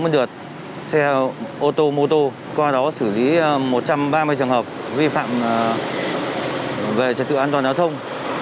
một trăm sáu mươi đợt xe ô tô mô tô qua đó xử lý một trăm ba mươi trường hợp vi phạm về trật tự an toàn giao thông